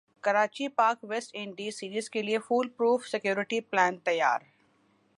Karachi Pak West Indies series کیلئے foolproof security plan تیار